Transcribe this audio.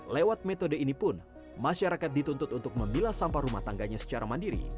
lewat metode ini pun masyarakat dituntut untuk memilah sampah rumah tangganya secara mandiri